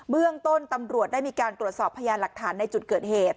เรื่องต้นตำรวจได้มีการตรวจสอบพยานหลักฐานในจุดเกิดเหตุ